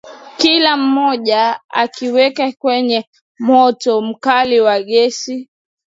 Kila moja akaiweka kwenye moto mkali wa gesi.